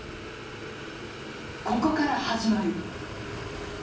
ここから始まる。